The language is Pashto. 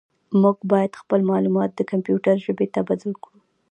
موږ باید خپل معلومات د کمپیوټر ژبې ته بدل کړو.